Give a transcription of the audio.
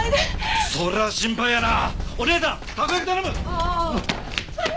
ああ。